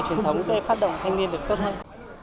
truyền thống để phát động thanh niên được tốt hơn